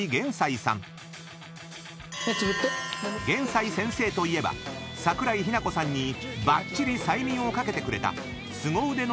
［幻斎先生といえば桜井日奈子さんにばっちり催眠をかけてくれた］